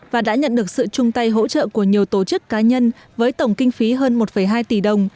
và đã nhận được sự chung tay hỗ trợ của nhiều tổ chức cá nhân với tổng kinh phí hơn một hai tỷ đồng